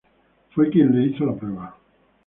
Fue quien le hizo la prueba.